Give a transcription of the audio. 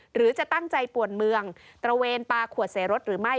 หรือจะตั้งใจป่วนเมืองตระเวนปลาขวดใส่รถหรือไม่